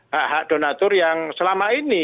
hak hak donatur yang selama ini